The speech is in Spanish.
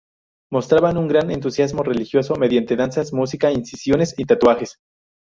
Mostraban un gran entusiasmo religioso mediante danzas, música, incisiones y tatuajes.